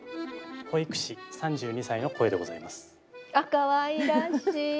かわいらしい！